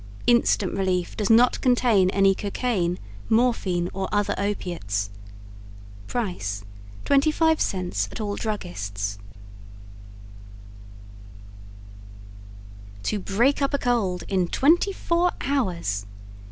Instant Relief does not contain any cocaine, morphine or other opiates. Price 25 cents at all Druggists TO BREAK UP A COLD IN TWENTY FOUR HOURS!